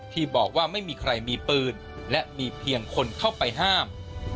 ที่บอกว่าไม่มีใครมีปืนและมีเพียงคนเข้าไปห้าม